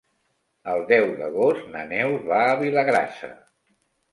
El deu d'agost na Neus va a Vilagrassa.